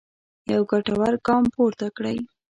یو ګټور ګام پورته کړی.